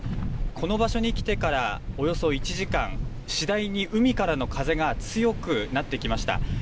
この場所に来てからおよそ１時間、次第に海からの風が強くなってきました。